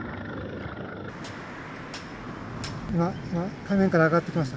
今、海面から上がってきました。